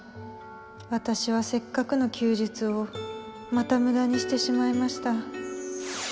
私はせっかくの休日をまた無駄にしてしまいました。